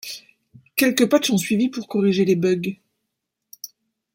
Quelques patchs ont suivi pour corriger les bugs.